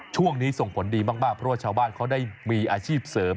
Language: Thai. ช่วงนี้ส่งผลดีมากเพราะว่าชาวบ้านเขาได้มีอาชีพเสริม